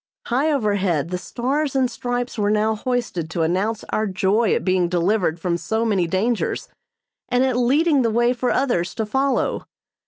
High overhead the stars and stripes were now hoisted to announce our joy at being delivered from so many dangers, and at leading the way for others to follow.